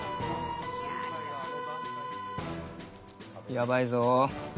やばいぞ。